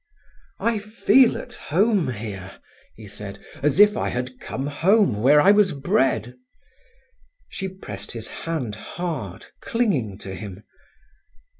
"I feel at home here," he said; "as if I had come home where I was bred." She pressed his hand hard, clinging to him.